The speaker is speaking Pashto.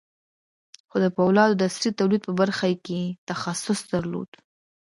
خو د پولادو د عصري تولید په برخه کې یې تخصص درلود